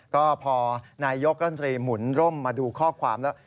ก็พอนายยกรัฐมนตรีหมุนร่มมาดูข้อความแล้ว